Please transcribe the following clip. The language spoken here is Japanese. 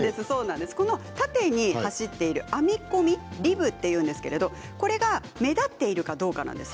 縦に走っている編み込みリブというんですけれどそれが目立っているかどうかなんです。